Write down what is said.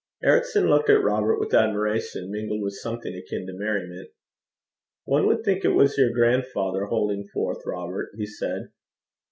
Ericson looked at Robert with admiration mingled with something akin to merriment. 'One would think it was your grandfather holding forth, Robert,' he said.